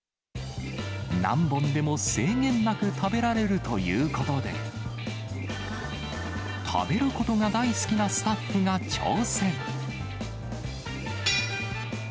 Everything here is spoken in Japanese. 何本でも制限なく食べられるということで、食べることが大好きなスタッフが挑戦。